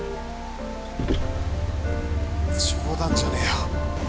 冗談じゃねえよ